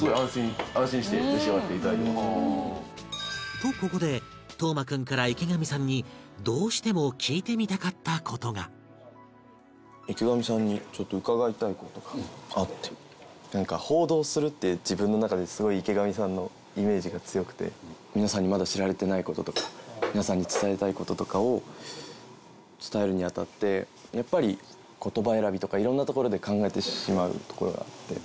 とここで登眞君から池上さんにどうしても聞いてみたかった事がなんか報道するって自分の中ですごい池上さんのイメージが強くて皆さんにまだ知られてない事とか皆さんに伝えたい事とかを伝えるに当たってやっぱり言葉選びとか色んなところで考えてしまうところがあって。